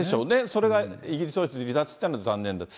それがイギリス王室離脱というのは残念で。